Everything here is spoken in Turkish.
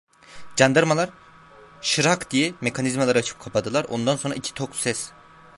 Candarmalar "şırrak" diye mekanizmaları açıp kapadılar, ondan sonra iki tok ses…